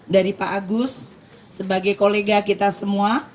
dari pak agus sebagai kolega kita semua